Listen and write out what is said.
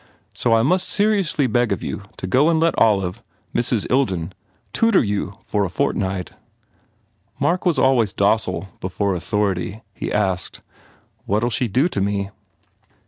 So I most seriously beg of you to go and let Olive Mrs. Ilden, tutor you for a fortnight." Mark was always docile before authority. He asked, "What ll she do to me?"